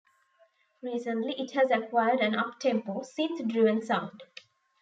Recently it has acquired an uptempo, synth-driven sound.